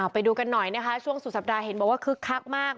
ไปดูกันหน่อยนะคะช่วงสุดสัปดาห์เห็นบอกว่าคึกคักมาก